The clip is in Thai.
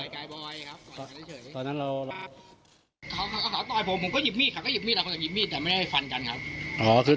เค้าถ่อยผมเค้าก็ถ่อยผมผมก็หยิบมีดค่ะผมก็หยิบมีดแต่ไม่ได้ฟันกันครับ